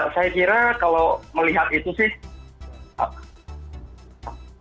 saya kira kalau melihat itu sih